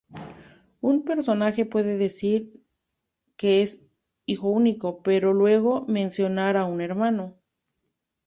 Un personaje puede decir que es hijo único, pero luego mencionar a un hermano.